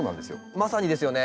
まさにですよね